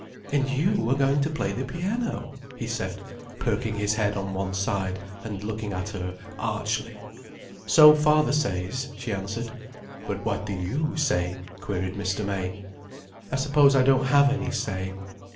And you are going to play the piano?" he said, perking his head on one side and looking at her archly. "So father says," she answered. "But what do you say?" queried Mr. May. "I suppose I don't have any say."